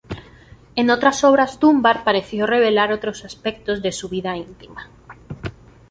En otras obras Dunbar pareció revelar otros aspectos de su vida íntima.